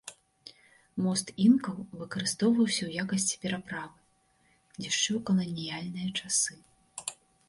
Мост інкаў выкарыстоўваўся ў якасці пераправы яшчэ ў каланіяльныя часы.